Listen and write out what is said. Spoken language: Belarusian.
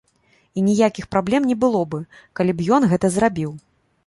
І ніякіх праблем не было бы, калі б ён гэта зрабіў.